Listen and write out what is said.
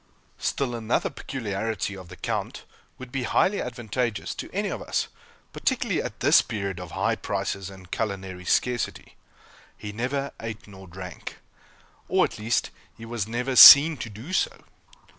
Still another peculiarity of the Count would be highly advantageous to any of us, particularly at this period of high prices and culinary scarcity. He never ate nor drank; or, at least, he was never seen to do so!